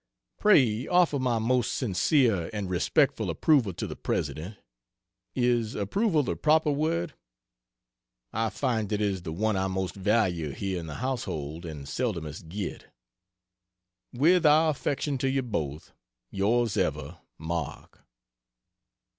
Pray offer my most sincere and respectful approval to the President is approval the proper word? I find it is the one I most value here in the household and seldomest get. With our affection to you both. Yrs ever MARK.